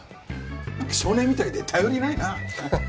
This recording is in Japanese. なんか少年みたいで頼りないな。